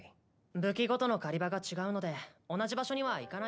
武器ごとの狩り場が違うので同じ場所には行かないようにしましょう。